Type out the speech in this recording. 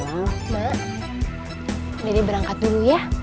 mak dede berangkat dulu ya